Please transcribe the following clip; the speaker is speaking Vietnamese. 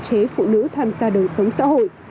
cơ chế phụ nữ tham gia đời sống xã hội